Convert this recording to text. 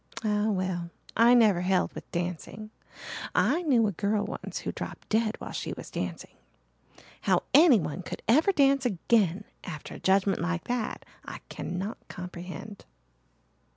Ah, well, I never held with dancing. I knew a girl once who dropped dead while she was dancing. How any one could ever dance aga' after a judgment like that I cannot comprehend."